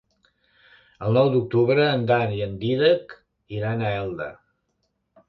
El nou d'octubre en Dan i en Dídac iran a Elda.